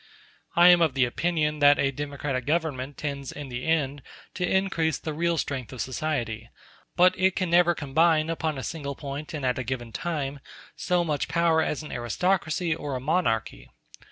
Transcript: I am of opinion that a democratic government tends in the end to increase the real strength of society; but it can never combine, upon a single point and at a given time, so much power as an aristocracy or a monarchy.